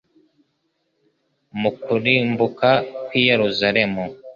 Mu kurimbuka kw'i Yerusalemu,